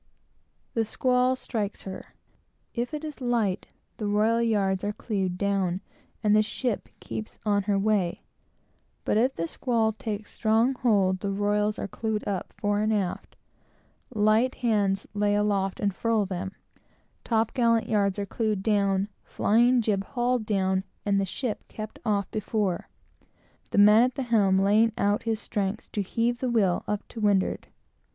The squall strikes her. If it is light, the royal yards are clewed down, and the ship keeps on her way; but if the squall takes strong hold, the royals are clewed up, fore and aft; light hands lay aloft and furl them; top gallant yards clewed down, flying jib hauled down, and the ship kept off before it, the man at the helm laying out his strength to heave the wheel up to windward.